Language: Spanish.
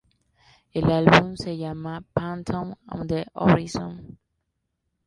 El álbum se llama "Phantom On The Horizon".